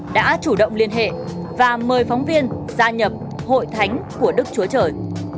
đã chủ động liên hệ và mời phóng viên gia nhập hội thánh của đức chúa trời